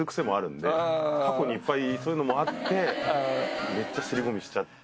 過去にいっぱいそういうのもあってめっちゃ尻込みしちゃって。